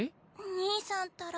兄さんったら。